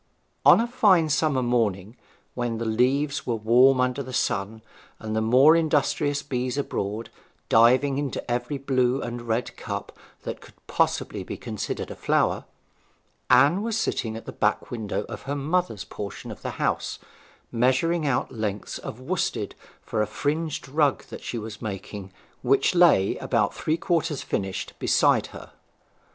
On a fine summer morning, when the leaves were warm under the sun, and the more industrious bees abroad, diving into every blue and red cup that could possibly be considered a flower, Anne was sitting at the back window of her mother's portion of the house, measuring out lengths of worsted for a fringed rug that she was making, which lay, about three quarters finished, beside her.